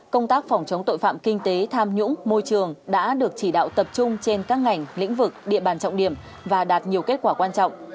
công tác phòng chống tội phạm kinh tế tham nhũng môi trường đã được chỉ đạo tập trung trên các ngành lĩnh vực địa bàn trọng điểm và đạt nhiều kết quả quan trọng